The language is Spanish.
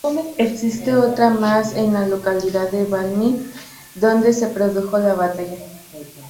Existe otra más en la localidad de Valmy, donde se produjo la batalla.